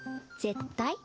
絶対？